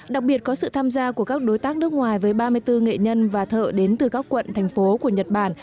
đặc biệt có sự tham gia của các đối tác nước ngoài với ba mươi bốn nghệ nhân và thợ đến từ các quận thành phố của nhật bản